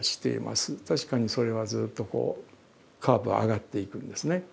確かにそれはずっとカーブは上がっていくんですね。